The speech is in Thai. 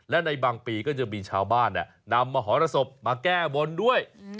และในบางปีก็จะมีชาวบ้านนำมหรสบมาแก้บนด้วย